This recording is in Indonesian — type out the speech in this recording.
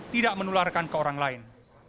tidak menularkan ke orang lain